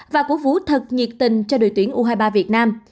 và cổ vũ thật nhiệt tình cho đội tuyển u hai mươi ba việt nam